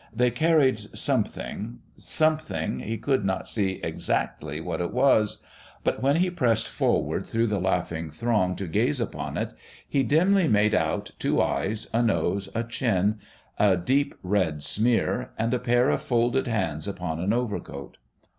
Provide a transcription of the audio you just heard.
They carried something ... something ... he could not see exactly what it was. But when he pressed forward through the laughing throng to gaze upon it, he dimly made out two eyes, a nose, a chin, a deep red smear, and a pair of folded hands upon an overcoat.